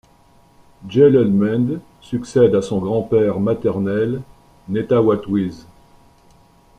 Gelelemend succède à son grand-père maternel Netawatwees.